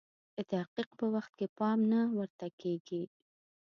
د تحقیق په وخت کې پام نه ورته کیږي.